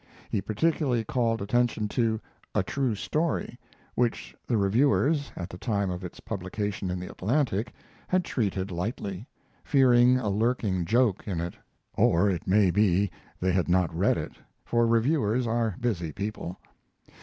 He particularly called attention to "A True Story," which the reviewers, at the time of its publication in the Atlantic, had treated lightly, fearing a lurking joke in it; or it may be they had not read it, for reviewers are busy people.